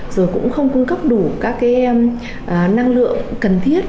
rồi cũng không cung cấp đủ các năng lượng cần thiết